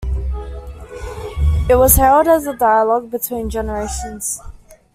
It was hailed as a dialogue between generations.